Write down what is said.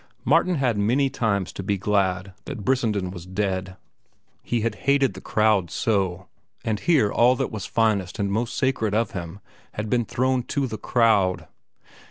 Martin had many times to be glad that Brissenden was dead. He had hated the crowd so, and here all that was finest and most sacred of him had been thrown to the crowd.